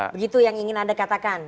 begitu yang ingin anda katakan